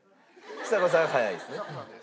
ちさ子さんが早いですね。